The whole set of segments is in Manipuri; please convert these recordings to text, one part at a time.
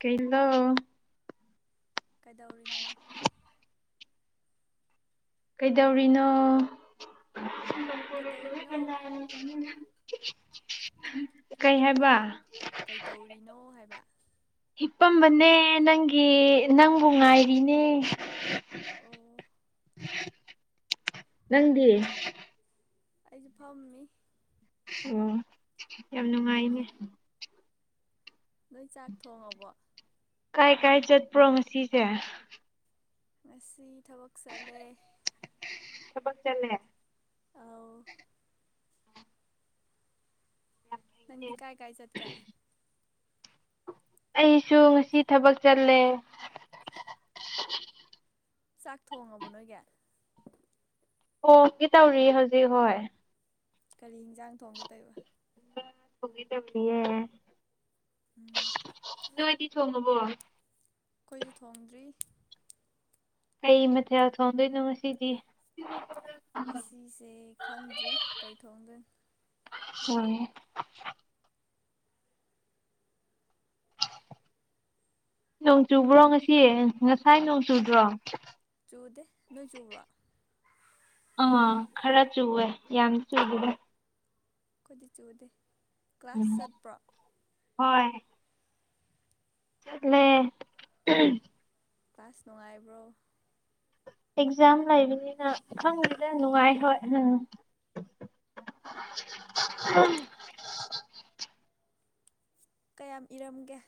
ꯀꯩꯂ ꯀꯩꯗꯧꯔꯤꯅꯣ ꯀꯩꯗꯧꯔꯤꯅꯣ ꯀꯩꯗꯧꯔꯤꯅꯣ ꯀꯩ ꯍꯥꯏꯕ ꯀꯩꯇꯧꯔꯤꯅꯣ ꯍꯥꯏꯕ ꯍꯤꯄꯝꯕꯅꯦ ꯅꯪꯒꯤ ꯅꯪꯕꯨ ꯉꯥꯏꯔꯤꯅꯦ ꯑꯣ ꯅꯪꯗꯤ ꯑꯩꯁꯨ ꯐꯝꯃꯤ ꯑꯣ ꯌꯥꯝ ꯅꯨꯡꯉꯥꯏꯅꯦ ꯅꯣꯏ ꯆꯥꯛ ꯊꯣꯡꯉꯕꯣ ꯀꯥꯏ ꯀꯥꯏ ꯆꯠꯄ꯭ꯔꯣ ꯉꯁꯦ ꯃꯁꯤꯁꯤ ꯊꯕꯛ ꯁꯠꯂꯦ ꯆꯃꯛ ꯆꯂꯦ ꯑ ꯅꯪꯗꯤ ꯀꯥꯏ ꯀꯥꯏ ꯆꯠ ꯀꯦ ꯑꯩꯁꯨ ꯉꯁꯤ ꯊꯕꯛ ꯆꯜꯂꯦ ꯆꯥꯛ ꯊꯣꯡꯉꯕ ꯅꯣꯏꯒ ꯍꯣꯡꯒꯤ ꯇꯧꯔꯤ ꯍꯧꯖꯤꯛ ꯍꯣꯏ ꯀꯔꯤ ꯌꯦꯟꯖꯥꯡ ꯊꯣꯡꯒꯗꯣꯏꯕ ꯄꯨꯒꯗ ꯐꯦ ꯎꯝ ꯅ ꯑꯣꯏꯗꯤ ꯊꯣꯡꯉꯕꯣ ꯑꯩꯈꯣꯏꯁꯨ ꯊꯣꯡꯗ꯭ꯔꯤ ꯀꯩ ꯃꯊꯦꯜ ꯊꯣꯡꯗꯣꯏꯅꯣ ꯉꯁꯤꯗꯤ ꯉꯁꯤꯁꯦ ꯈꯪꯗ꯭ꯔꯤ ꯀꯩꯊꯣꯡꯗꯣꯏꯅ ꯎꯝ ꯅꯣꯡ ꯆꯨꯕ꯭ꯔꯣ ꯉꯁꯤ ꯉꯁꯥꯏ ꯅꯣꯡ ꯆꯨꯗ꯭ꯔꯣ ꯆꯨꯗꯦ ꯅꯣꯏ ꯆꯨꯕꯣ ꯑꯥ ꯈꯔ ꯆꯨꯋꯦ ꯌꯥꯝ ꯆꯨꯕꯅꯦ ꯀꯣꯏꯗꯤ ꯆꯨꯗꯦ ꯀ꯭ꯂꯥꯁ ꯎꯝ ꯆꯠꯄ꯭ꯔꯣ ꯍꯣꯏ ꯂ ꯀ꯭ꯂꯥꯁ ꯅꯨꯡꯉꯥꯏꯕ꯭ꯔꯣ ꯑꯦꯛꯖꯥꯝ ꯂꯩꯕꯅꯤꯅ ꯈꯪꯕꯗ ꯅꯨꯡꯉꯥꯏ ꯍꯣꯏ ꯎꯝ ꯍ ꯀꯌꯥꯝ ꯏꯔꯝꯒꯦ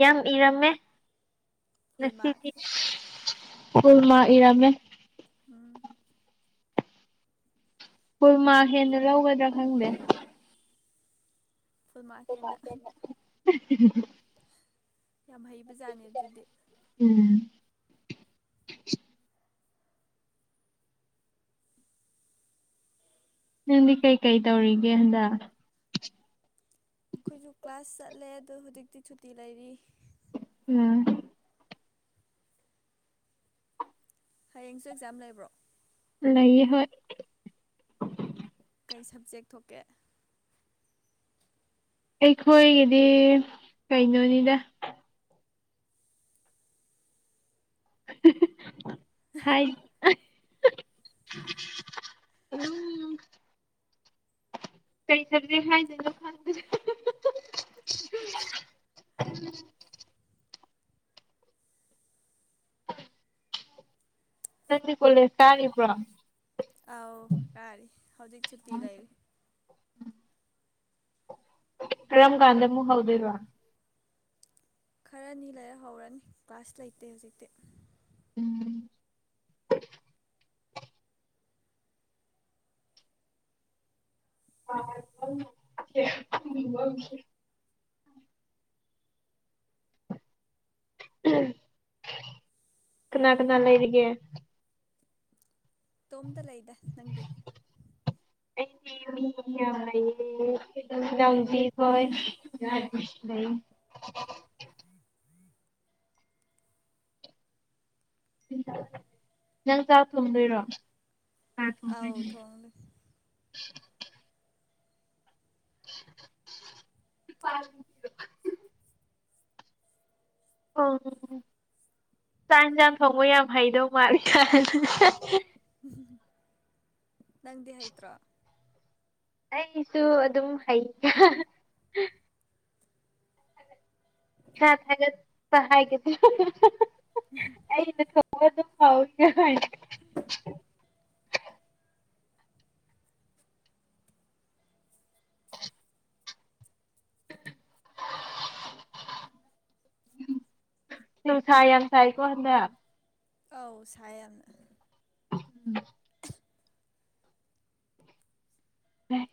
ꯌꯥꯝ ꯏꯔꯝꯃꯦ ꯐꯨꯜ ꯃꯥꯔꯛ ꯉꯁꯤꯗꯤ ꯐꯜꯃ ꯏꯔꯃꯦ ꯎꯝ ꯀꯨꯔꯃꯥ ꯍꯦꯟꯅ ꯂꯧꯒꯗ꯭ꯔꯥ ꯈꯪꯗꯦ ꯐꯜ ꯐꯨꯜ ꯃꯥꯀꯠꯅ ꯃꯥꯔꯛ ꯍꯦꯟꯅ ꯍꯩꯕꯖꯥꯠꯅꯤ ꯑꯗꯨꯗꯤ ꯎꯝ [inaudible] ꯅꯪꯗꯤ ꯀꯩꯀꯩ ꯇꯧꯔꯤꯒꯦ ꯍꯟꯗ ꯑꯩꯈꯣꯏꯁꯨ ꯀ꯭ꯂꯥꯁ ꯆꯠꯂꯦ ꯑꯗꯣ ꯍꯧꯖꯤꯛꯇꯤ ꯁꯨꯇꯤ ꯂꯩꯔꯤ ꯎꯝ ꯍꯌꯦꯡꯁꯨ ꯑꯦꯛꯖꯥꯝ ꯂꯩꯕ꯭ꯔꯣ ꯂꯩꯥꯏꯌꯦ ꯍꯣꯏ ꯀꯩ ꯁꯕꯖꯦꯛ ꯊꯣꯛꯀꯦ ꯑꯩꯈꯣꯏꯒꯤꯗꯤ ꯀꯩꯅꯣꯅꯤꯗ ꯍꯥꯏ ꯎꯝ ꯀꯩ ꯆꯗ ꯍꯥꯏꯥꯏꯗꯅ ꯈꯪꯗ [inaudible] ꯅ ꯀꯣꯂꯦ ꯁꯔꯤ ꯄꯨ꯭ꯔꯥ ꯑꯥꯎ ꯀꯥꯥꯏꯔꯤꯦ ꯍꯧꯖꯤꯛ ꯁꯨꯇꯤ ꯂꯩꯔꯤꯦ ꯀꯔꯝ ꯀꯥꯟꯗꯃꯨ ꯍꯧꯗꯣꯏ ꯋꯥ ꯈꯔꯅꯤ ꯂꯩꯔꯍꯧꯔꯅꯤ ꯀ꯭ꯂꯥꯁ ꯂꯩꯇꯦ ꯍꯧꯖꯤꯛꯇꯤ ꯎꯝ [inaudible] ꯀꯅꯥ ꯀꯅꯥ ꯂꯩꯔꯤꯒꯦ ꯇꯣꯝꯇ ꯂꯩꯗ ꯅꯪꯗꯤ ꯑꯩ ꯑꯧ ꯂꯥꯎꯗꯤ ꯍꯣꯏ ꯀꯁ ꯂꯩ ꯅꯪ ꯆꯥꯛ ꯊꯣꯡꯗꯣꯏꯔꯣ ꯑ ꯑꯥꯎ ꯊꯣꯡꯗꯣꯏꯅꯦ꯫ ꯊꯣꯡꯉꯅꯤ [inaudible] [inaudible] ꯑ ꯆꯥꯛ ꯌꯦꯟꯁꯥꯡ ꯊꯣꯡꯕ ꯌꯥꯝ ꯍꯩꯗꯧ ꯃꯥꯜꯂꯤ ꯅꯪꯗꯤ ꯍꯩꯇ꯭ꯔꯣ ꯑꯩꯁꯨ ꯑꯗꯨꯝ ꯍꯩ ꯏꯁꯥ ꯊꯥꯒꯠꯄ ꯍꯥꯏꯒ ꯑꯩꯅ ꯑꯣ ꯑꯗꯨ ꯐꯥꯎꯔꯤ [inaudible] ꯅꯨꯡꯁꯥ ꯌꯥꯝ ꯁꯥꯏꯀꯣ ꯍꯟꯗꯛ ꯑꯧ ꯁꯦꯅ ꯎꯝ ꯎꯝ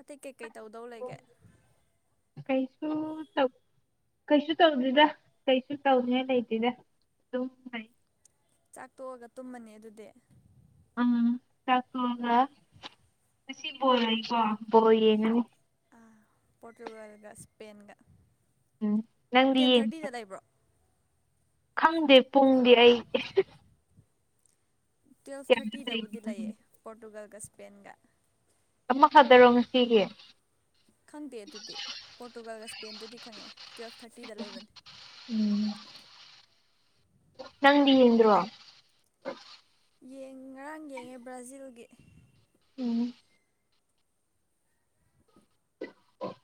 ꯑꯇꯩ ꯀꯩꯀꯩ ꯇꯧꯗꯧ ꯂꯩꯒꯦ ꯀꯩꯁꯨ ꯆꯧ ꯀꯩꯁꯨ ꯇꯧꯗꯣꯏꯗ ꯀꯩꯁꯨ ꯇꯧꯅꯤꯡꯉꯥꯏ ꯂꯩꯇꯦꯗ ꯑꯗꯨꯝ ꯂꯩ ꯆꯥꯛ ꯇꯣꯛꯑꯒ ꯇꯨꯝꯃꯅꯤ ꯑꯗꯨꯗꯤ ꯑꯥ ꯆꯀꯒꯣ ꯀꯣ ꯣ ꯌꯦꯅ ꯄꯣꯣꯔꯇꯨꯒꯜꯒ ꯁꯄꯦꯟꯒ ꯎꯝ ꯅꯪꯌꯦ ꯈꯪꯗꯦ ꯄꯨꯡꯗꯤ ꯑꯩ ꯇꯨꯋꯦꯜꯐ ꯀꯌꯥꯗ ꯂꯩꯒꯦ ꯊꯥꯔꯇꯤꯗꯕꯨꯗꯤ ꯂꯩꯌꯦ ꯈꯪꯗꯦ ꯄꯣꯔꯇꯨꯒꯜꯒ ꯏꯁꯄꯦꯟꯒ ꯑꯃ ꯊꯥꯗꯔꯣ ꯉꯁꯤꯒꯤ ꯈꯪꯗꯦ ꯑꯗꯨꯗꯤ ꯄꯣꯔꯇꯨꯒꯥꯜꯒ ꯏꯁꯄꯦꯟꯗꯨꯗꯤ ꯈꯪꯉꯛꯦ ꯇꯨꯋꯦꯜꯞ ꯊꯥꯔꯇꯤꯗ ꯂꯩꯕꯅꯤ [inaudible] ꯅꯪꯗꯤꯟꯣ ꯉꯔꯥꯡ ꯌꯦꯡꯉꯦ ꯕ꯭ꯔꯥꯖꯤꯜꯒꯤ ꯎꯝ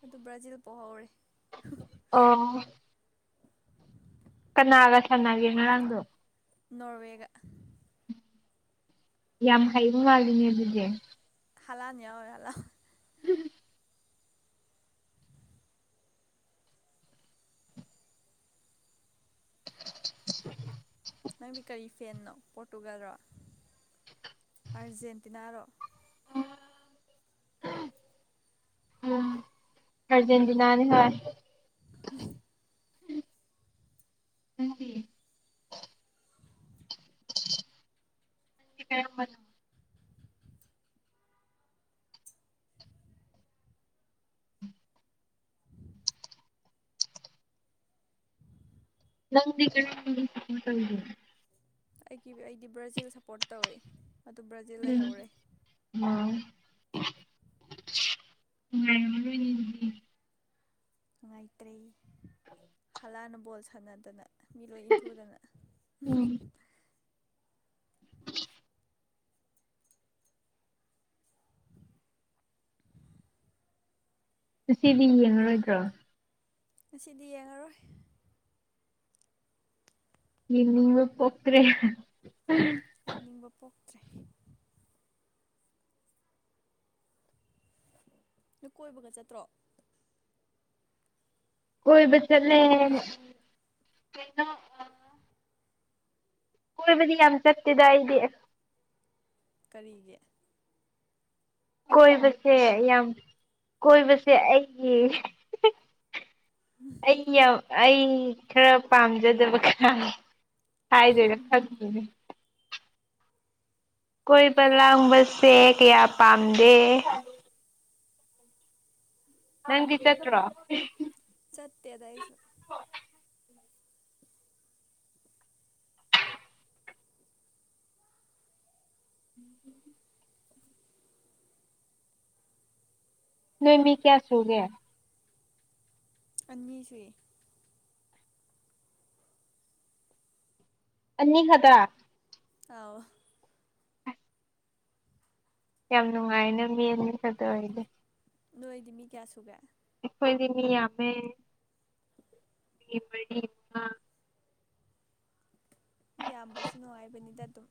ꯑꯗꯨ ꯕ꯭ꯔꯥꯖꯤꯜ ꯄꯣꯛ ꯍꯧꯧꯔꯦ ꯑ ꯀꯅꯥꯒ ꯁꯥꯟꯅꯒꯦ ꯉꯔꯥꯡꯗꯣ ꯅꯣꯋꯦꯒ ꯌꯥꯝ ꯍꯩꯕ ꯃꯥꯜꯂꯤꯅꯦ ꯑꯗꯨꯗꯤ ꯍꯂꯥꯅꯤ ꯑ ꯍꯂ [unintelligible] ꯅꯪꯗꯤ ꯀꯔꯤ ꯐꯦꯟꯅꯣ ꯄꯣꯔꯇꯨꯒꯥꯜꯔꯣ ꯑꯥꯔꯖꯦꯟꯇꯤꯅꯥꯔꯣ [unintelligible] ꯎꯝ ꯑꯔꯖꯦꯟꯇꯤꯅꯥꯅꯤ ꯍꯣꯏ ꯎꯝ ꯎ ꯪ ꯀꯔꯝꯕꯅ ꯅꯪ ꯀ ꯀꯗ ꯑꯩꯒꯤ ꯑꯩꯗꯤ ꯕ꯭ꯔꯥꯖꯤꯜ ꯁꯞꯄꯣꯔꯠ ꯇꯧꯋꯤ ꯎꯝ ꯑ ꯉꯗꯤ ꯑ ꯏꯄ꯭ꯔꯦ ꯎꯝ ꯀꯂꯥꯅ ꯕꯣꯜ ꯁꯥꯟꯅꯗꯅ ꯃꯤ ꯂꯣꯏ ꯏꯟꯊꯨꯗꯅ ꯎꯝ ꯉꯁꯤꯗꯤ ꯌꯦꯡꯉꯔꯣꯏꯗ꯭ꯔꯣ ꯉꯁꯤꯗꯤ ꯌꯦꯡꯉꯔꯣꯏ ꯅꯤꯡ ꯄꯇ꯭꯭ꯔꯦ ꯌꯩꯅꯤꯡꯕ ꯄꯣꯛꯇ꯭ꯔꯦ ꯅ ꯀꯣꯏꯕꯒ ꯆꯠꯇ꯭ꯔꯣ ꯑꯣꯏꯣꯏ ꯆꯠꯂꯦ ꯀꯣꯏꯕꯗꯤ ꯌꯥꯝ ꯆꯠꯇꯦꯗ ꯑꯩꯗꯤ ꯀꯔꯤꯒꯤ ꯀꯣꯏꯕꯁꯦ ꯌꯥꯝ ꯀꯣꯏꯕꯁꯦ ꯑꯩꯒꯤ ꯑꯩ ꯌꯥꯝ ꯑꯩ ꯈꯔ ꯄꯥꯝꯖꯗꯕ ꯀ ꯍꯥꯏꯗꯣꯏꯔꯥ ꯈꯪꯗꯅꯦ ꯀꯣꯏꯕ ꯂꯥꯡꯕꯁꯦ ꯀꯌꯥ ꯄꯥꯝꯗꯦ ꯅꯪꯒꯤ ꯆꯠꯇ꯭ꯔꯣ ꯆꯠꯇꯦꯗ ꯑꯩꯁꯨ ꯎꯝ ꯅꯣꯏꯃꯤ ꯀꯌꯥ ꯁꯨꯒꯦ ꯑꯃꯤꯁꯨ ꯑꯅꯤꯍꯗ ꯑꯑꯣ ꯌꯥꯝ ꯅꯨꯡꯉꯥꯏ ꯅ ꯃꯤꯗꯤ ꯐꯗ ꯑꯣꯏꯗꯤꯦ ꯅꯣꯏꯗꯤ ꯃꯤ ꯀꯌꯥꯁꯨꯨꯒꯥꯏ ꯑꯩꯈꯣꯏꯗꯤꯃꯤ ꯌꯥꯃꯦ ꯃ ꯌꯥꯝꯕꯁꯨ ꯅꯨꯡꯉꯥꯏꯕꯅꯤꯗ ꯑꯗꯨꯝ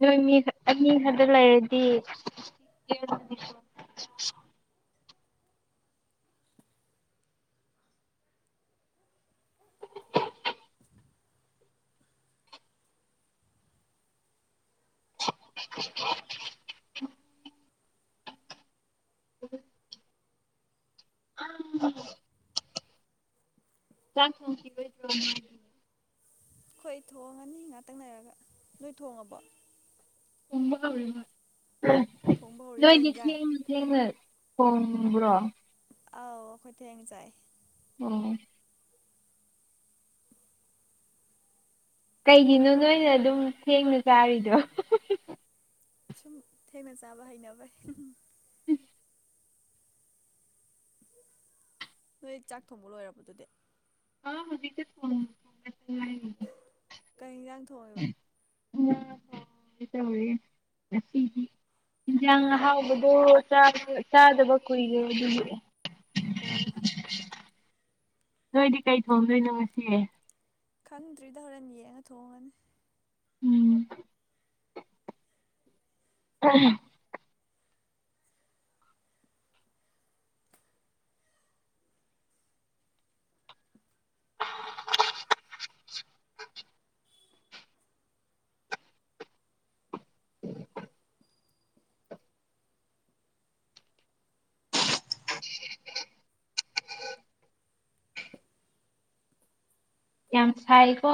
ꯅꯣꯏ ꯃꯤ ꯃꯤ ꯈꯔꯗ ꯂꯩꯔꯗꯤ [unintelligible] [unintelligible] ꯎꯝ ꯑ [unintelligible] ꯆꯥꯛ ꯊꫭꯡꯈꯤꯔꫭꯏ ꯗꯔꫭ ꯍꯣꯏ ꯊꯣꯡꯉꯅꯤ ꯉꯥꯛꯇꯪ ꯂꯩꯔꯒ ꯅꯣꯏ ꯊꯣꯡꯉꯕꯣ ꯎꯝꯕ ꯍꯧꯔꯅꯣ ꯊꯣꯡꯕ ꯍꯧꯔꯤ ꯀꯩ ꯅꫭꯏꯗ ꯌꯦꯟꯖꯥꯡ ꯊꯦꯡꯉ ꯊꯦꯡꯉ ꯐꫭꯡꯕꯔꫭ ꯑꯥꯎ ꯑꯩꯈꯣꯏ ꯊꯦꯡꯅ ꯆꯥꯏꯌ‌ꯦ ꯑꯝ ꯀꯩꯒꯤꯅꯣ ꯅꯣꯏꯅ ꯑꯗꯨꯝ ꯊꯦꯡꯅ ꯆꯥꯔꯤꯗꯣ ꯁꯨꯝ ꯊꯦꯡꯅ ꯆꯥꯕ ꯍꯩꯅꯕꯩ ꯅꯣꯏ ꯆꯥꯛ ꯊꯣꯡꯕ ꯂꯣꯏꯔꯕꯗꯨꯗꯤ ꯑ ꯃꯃꯤ ꯐ ꯊ [unintelligible] ꯀꯩ ꯌꯦꯟꯖꯥꯡ ꯊꯣꯡꯉꯦꯕ ꯑꯣꯏꯦꯁꯤ [unintelligible] ꯏꯟꯖꯥꯡ ꯑꯍꯥꯎꯕꯗꯣ ꯆꯥꯗꯕ ꯀꯨꯏꯗꯣ ꯑꯗꯨꯒꯤ ꯑꯣ ꯅꯣꯏꯗꯤ ꯀꯩ ꯊꯣꯡꯗꯣꯏꯅꯣ ꯉꯁꯤ ꯈꯟꯗ꯭ꯔꯤꯗ ꯍꯣꯔꯦꯟ ꯌꯦꯡꯉ ꯊꯣꯡꯉꯅꯤ ꯎꯝ ꯌꯥꯝ ꯁꯥꯏꯀꯣ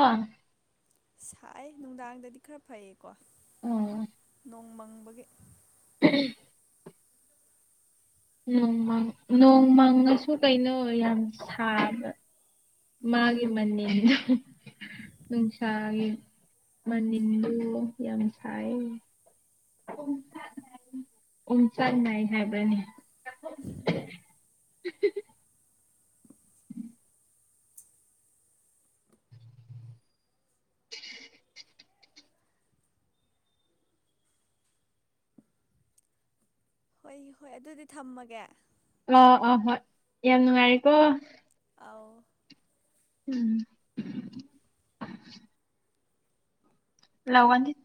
ꯁꯥꯏ ꯅꯨꯡꯗꯥꯡꯗꯗꯤ ꯈꯔ ꯐꯩꯌꯦꯀꯣ ꯅꯣꯡ ꯃꯪꯕꯒꯤ ꯎꯝ [unintelligible] ꯅꯣꯡꯃꯥꯡ ꯅꯣꯡꯃꯥꯡꯁꯨ ꯀꯥꯏꯩꯅ ꯌꯥꯝ ꯁꯥꯕ ꯃꯥꯒꯤ ꯃꯅꯤꯜꯗꫭ ꯅꯨꯡꯁꯥꯒꯤ ꯃꯅꯤꯟꯗꯨ ꯌꯥꯝ ꯁꯥꯏ ꯎ ꯆꯪꯅꯥꯏ ꯍꯥꯏꯕꯅꯤ [inaudible] [unintelligible] ꯍꯣꯏ ꯍꯣꯏ ꯑꯗꯨꯗꯤ ꯊꯝꯃꯒꯦ ꯑꯥ ꯑꯥ ꯍꯣꯏ ꯌꯥꯝ ꯅꯨꯡꯉꯥꯏꯔꯦꯀꯣ ꯑꯥꯎ ꯎꯝ [unintelligible] ꯂꯋꯥꯟꯗꯤꯠ